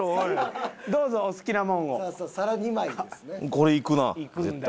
これいくな絶対。